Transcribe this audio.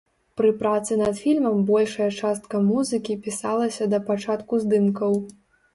Пры працы над фільмам большая частка музыкі пісалася да пачатку здымкаў.